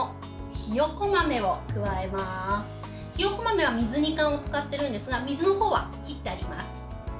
ひよこ豆は水煮缶を使っているんですが水のほうは切ってあります。